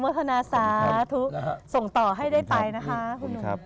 ธนาสาธุส่งต่อให้ได้ไปนะคะคุณหนุ่ม